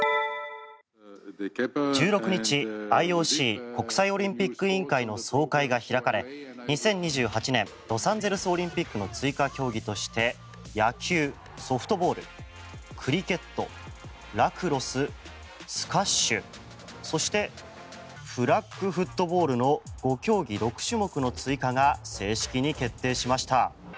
１６日、ＩＯＣ・国際オリンピック委員会の総会が開かれ２０２８年ロサンゼルスオリンピックの追加競技として野球・ソフトボールクリケット、ラクロススカッシュそしてフラッグフットボールの５競技６種目の追加が正式に決定しました。